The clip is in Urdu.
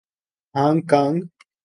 Hong Kong